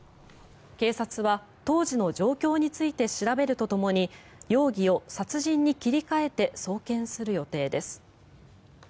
警察は、当時の状況について調べるとともに容疑を殺人に切り替えて送検する予定です。